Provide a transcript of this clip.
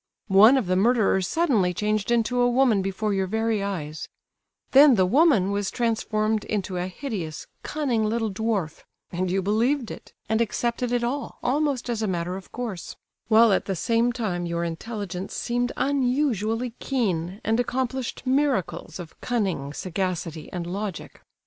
One of the murderers suddenly changed into a woman before your very eyes; then the woman was transformed into a hideous, cunning little dwarf; and you believed it, and accepted it all almost as a matter of course—while at the same time your intelligence seemed unusually keen, and accomplished miracles of cunning, sagacity, and logic!